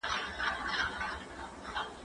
زه هره ورځ مځکي ته ګورم؟!